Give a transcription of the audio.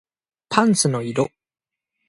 パンツの色